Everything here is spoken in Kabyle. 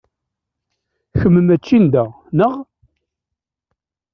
Kemm mačči n da, neɣ?